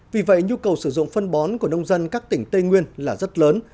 vì vậy nhu cầu sử dụng phân bón của nông dân các tỉnh tây nguyên là rất lớn